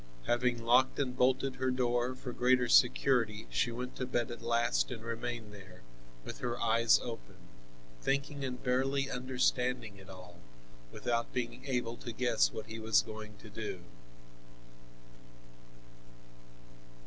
Having locked and bolted her door, for greater security, she went to bed at last and remained there, with her eyes open, thinking and barely understanding it all, without being able to guess what he was going to do.